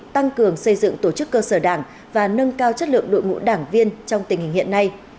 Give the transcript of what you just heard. tăng cường xây dựng tổ chức cơ sở đảng và nâng cao chất lượng đội ngũ đảng viên trong tình hình hiện nay